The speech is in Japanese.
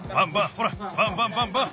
ほらバンバンバンバン。